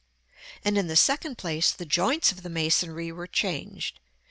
And, in the second place, the joints of the masonry were changed.